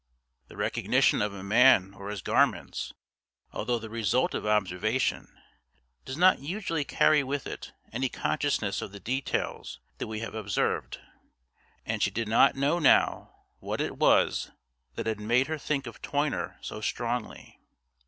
The recognition of a man or his garments, although the result of observation, does not usually carry with it any consciousness of the details that we have observed; and she did not know now what it was that had made her think of Toyner so strongly.